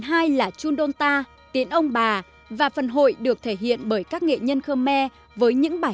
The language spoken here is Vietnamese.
hai là chun đôn ta tiến ông bà và phần hội được thể hiện bởi các nghệ nhân khmer với những bài